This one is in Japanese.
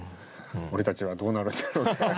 俺たちはどうなるんだろう。